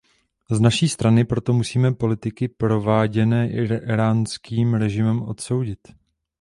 Z naší strany proto musíme politiky prováděné íránským režimem odsoudit.